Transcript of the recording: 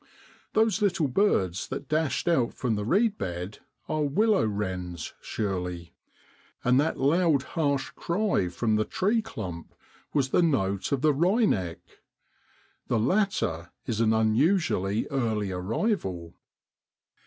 Those little birds that dashed out from the reed bed are willow wrens, surely; and that loud harsh cry from the tree clump was the note of the wryneck. The latter is an unusually early arrival.